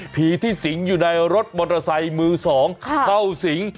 ผีที่สิงอยู่ในรถมอเตอร์ไซค์มือสองเข้าสิง